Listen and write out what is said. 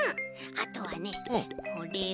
あとはねこれを。